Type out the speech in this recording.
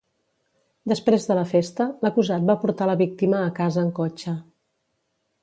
Després de la festa l'acusat va portar la víctima a casa en cotxe.